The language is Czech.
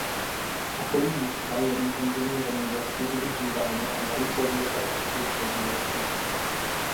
Okolí města je intenzivně zemědělsky využíváno a malý podíl katastru tvoří lesy.